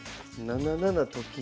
７七と金？